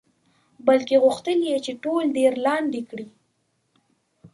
بلکې غوښتل یې چې ټول دیر لاندې کړي.